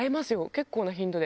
結構な頻度で。